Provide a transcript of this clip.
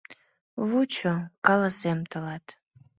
— Вучо — каласем тылат!..